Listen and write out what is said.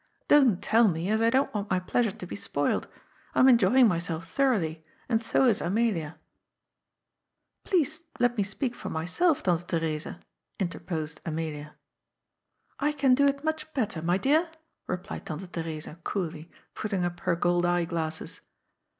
Don't tell me, as I don't want my pleasure to be spoilt. I am enjoying myself thoroughly, and so is Amelia." 813 CK)D'S FOOU " Please let me speak for myself, Tante Theresa," inter posed Amelia. " I can do it mncli better, my dear," replied Tante The resa coolly, putting up her gold eye glasses.